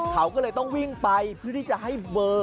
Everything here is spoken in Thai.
เขาก็เลยต้องวิ่งไปเพื่อที่จะให้เบอร์